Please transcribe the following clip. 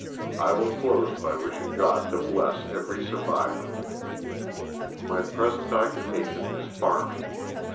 I will close by wishing God to bless every survivor. My present occupation is farming.